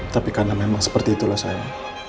tapi karena memang seperti itulah saya